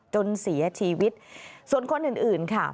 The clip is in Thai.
จนเสียชีวิตส่วนคนอื่นอื่นค่ะ